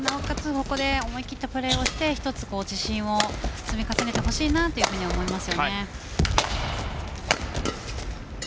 ここで思い切ったプレーをして自信を積み重ねてほしいと思います。